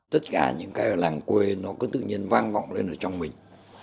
tất cả những cái ở làng quê nó có tự nhiên vang vọng lên ở trong mình